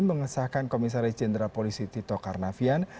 mengesahkan komisaris jenderal polisi tito karnavian